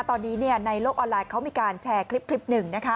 ตอนนี้ในโลกออนไลน์เขามีการแชร์คลิปหนึ่งนะคะ